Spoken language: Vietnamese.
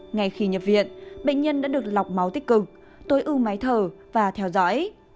ngay khi nhập viện bệnh nhân đã được lọc máu tích cực tối ưu máy thở và theo dõi